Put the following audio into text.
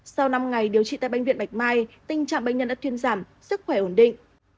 sau năm ngày điều trị tại bệnh viện bạch mai tình trạng bệnh nhân đã thuyên giảm sức khỏe ổn định